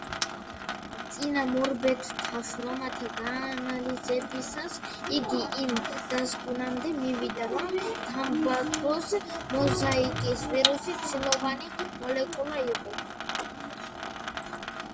წინამორბედთა შრომათა გაანალიზებისას იგი იმ დასკვნამდე მივიდა, რომ თამბაქოს მოზაიკის ვირუსი ცილოვანი მოლეკულა იყო.